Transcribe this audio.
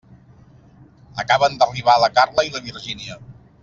Acaben d'arribar la Carla i la Virgínia.